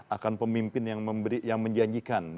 akan pemimpin yang menjanjikan